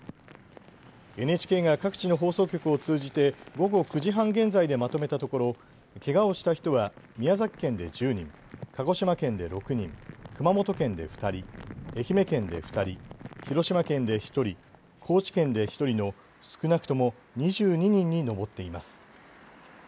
ＮＨＫが各地の放送局を通じて午後９時半現在でまとめたところけがをした人は宮崎県で１０人、鹿児島県で６人、熊本県で２人、愛媛県で２人、広島県で１人、高知県で１人の少なくとも２２人に上っています。